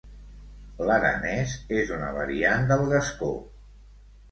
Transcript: L'aranès és una variant del gascó.